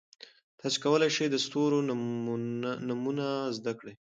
تاسي کولای شئ د ستورو نومونه زده کړئ.